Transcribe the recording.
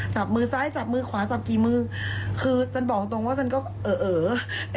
จับมือซ้ายจับมือขวาจับกี่มือคือฉันบอกตรงว่าฉันก็เออเอ๋อ